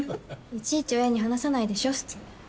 いちいち親に話さないでしょ普通。